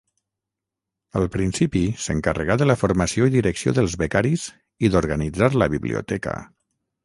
Al principi s'encarregà de la formació i direcció dels becaris i d'organitzar la biblioteca.